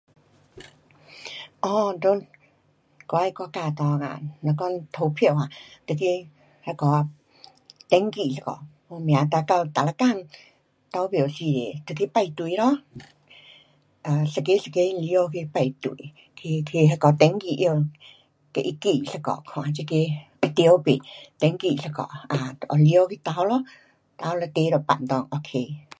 哦，在我的国家内啊，若讲投票啊就去那个，登记一下，报名哒到哪一天投票时候得去排队咯。啊，一个一个入内去排队，去去那个登记拿给它记一下看这个会对吗？登记一下，um 入内去投咯，投了折了放内 ok